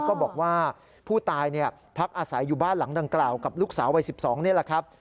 ก็บอกว่าผู้ตายพักอาศัยอยู่บ้านหลังดังกล่าวกับลูกสาววัย๑๒นี่แหละครับ